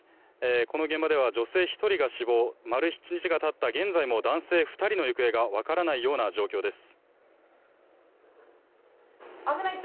この現場では女性１人が死亡丸１日がたった現在も男性２人の行方がわからないような状況です。